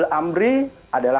di negara yang berada di kota